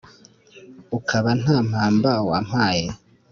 ukaba nta mpamba wampaye